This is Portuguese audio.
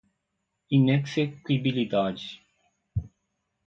inexequibilidade